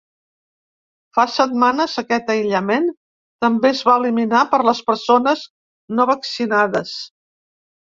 Fa setmanes aquest aïllament també es va eliminar per les persones no vaccinades.